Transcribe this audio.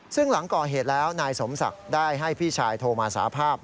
ซึ่งหลังก่อเหตุแล้วนายสมศักดิ์ได้ให้พี่ชายโทรมาสาภาพ